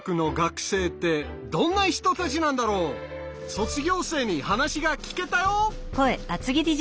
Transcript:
卒業生に話が聞けたよ。